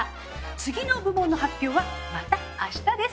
次の部門の発表はまた明日です。